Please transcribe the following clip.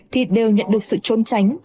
thì đều nhận được sự trôn tránh